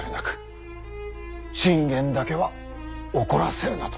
信玄だけは怒らせるなと。